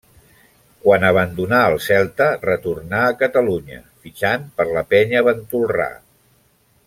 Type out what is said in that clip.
Quan abandonà el Celta retornà a Catalunya, fitxant per la Penya Ventolrà.